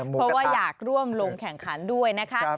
เพราะว่าอยากร่วมลงแข่งขันด้วยนะคะ